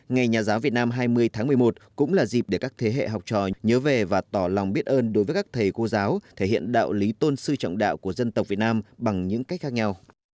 ngày nhà giáo việt nam hai mươi tháng một mươi một cũng là dịp để các thế hệ học trò nhớ về và tỏ lòng biết ơn đối với các thầy cô giáo thể hiện đạo lý tôn sư trọng đạo của dân tộc việt nam bằng những cách khác nhau